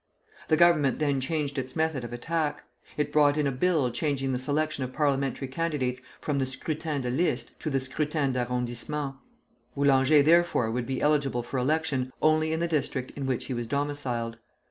The Government then changed its method of attack. It brought in a bill changing the selection of parliamentary candidates from the scrutin de liste to the scrutin d'arrondissement. Boulanger therefore would be eligible for election only in the district in which he was domiciled.